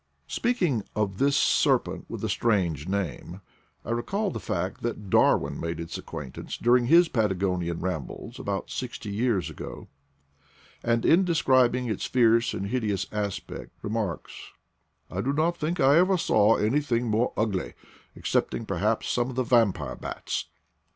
Speaking of this serpent with a strange name, X recall the fact that Darwin made its acquaint HOW I BECAME AN IDLEB 27 ance during his Patagonian rambles about sixty years ago ; and in describing its fierce and hide ous aspect, remarks, "I do not think I ever saw anything more ugly, excepting, perhaps, some of the vampire bats."